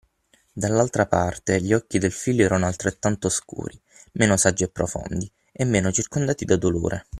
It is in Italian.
Dall’altra parte, gli occhi del figlio erano altrettanto scuri, meno saggi e profondi, e meno circondati da dolore.